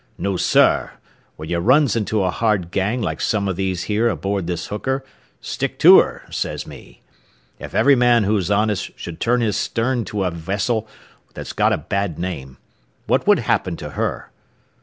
No, sir, when ye runs into a hard gang like some o' these here aboard this hooker, stick to her, says me. If every man who's honest should turn his stern to a wessel that's got a bad name, what would happen to her?